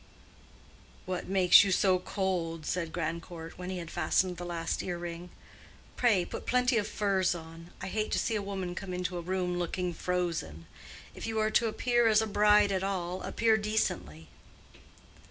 "What makes you so cold?" said Grandcourt, when he had fastened the last ear ring. "Pray put plenty of furs on. I hate to see a woman come into a room looking frozen. If you are to appear as a bride at all, appear decently."